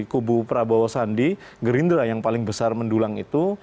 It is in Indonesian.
kubu prabowo sandi gerindra yang paling besar mendulang itu